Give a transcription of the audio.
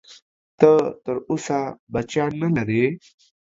ته تر اوسه بچیان نه لرې؟